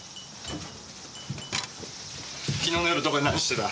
昨日の夜どこで何してた？